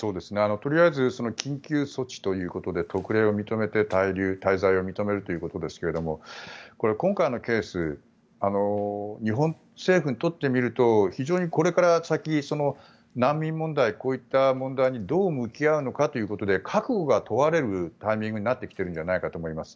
とりあえず緊急措置ということで特例を認めて滞在を認めるということですが今回のケース日本政府にとってみると非常にこれから先難民問題、こういった問題にどう向き合うのかということで覚悟が問われるタイミングになってきているんじゃないかと思います。